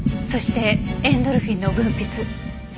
そしてエンドルフィンの分泌。